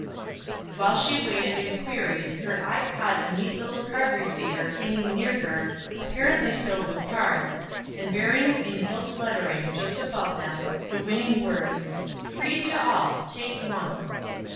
While she waited and queried, her eye caught a neat little card receiver hanging near her, apparently filled with cards, and bearing in gilt lettering, just above them, the winning words: "FREE TO ALL. TAKE ONE."